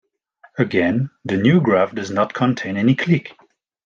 Again, the new graph does not contain any -clique.